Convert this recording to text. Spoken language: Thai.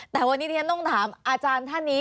แต่วันนี้ที่ฉันต้องถามอาจารย์ท่านนี้